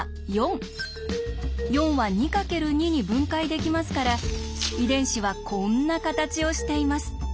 ４は２×２に分解できますから遺伝子はこんな形をしています。